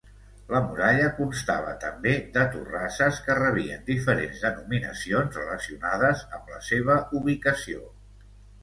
La muralla constava també de torrasses que rebien diferents denominacions relacionades amb la seva ubicació.